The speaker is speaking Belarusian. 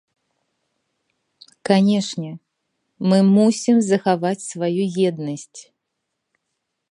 Канешне, мы мусім захаваць сваю еднасць.